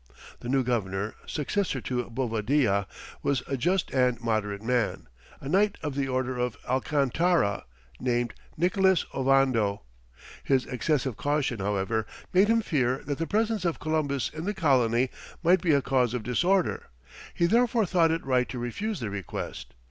The new governor, successor to Bovadilla, was a just and moderate man, a knight of the order of Alcantara, named Nicholas Ovando. His excessive caution, however, made him fear that the presence of Columbus in the colony might be a cause of disorder; he therefore thought it right to refuse the request.